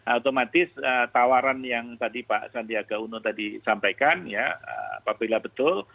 otomatis tawaran yang tadi pak sandiaga uno tadi sampaikan ya apabila betul